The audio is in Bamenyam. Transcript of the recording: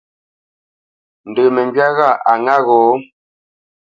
Ndə məŋgywá ghâʼ a ŋǎ gho?